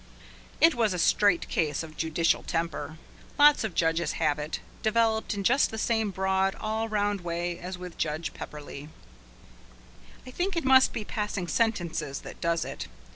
It was a straight case of judicial temper. Lots of judges have it, developed in just the same broad, all round way as with Judge Pepperleigh. I think it must be passing sentences that does it.